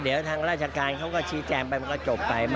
เดี๋ยวทางราชการเขาก็ชี้แจงไปมันก็จบไป